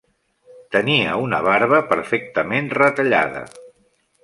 Tenia una barba perfectament retallada.